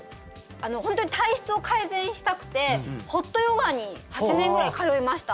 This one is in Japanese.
ホントに体質を改善したくてホットヨガに８年ぐらい通いました